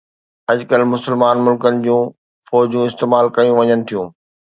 اڄڪلهه مسلمان ملڪن جون فوجون استعمال ڪيون وڃن ٿيون